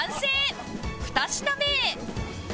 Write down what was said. ２品目へ